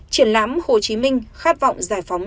triển lãm hồ chí minh khát vọng giải phóng